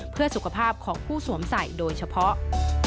เพื่อสุขภาพของผู้สวมใส่โดยเฉพาะ